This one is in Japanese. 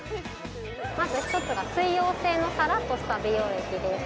まず一つが水溶性のさらっとした美容液です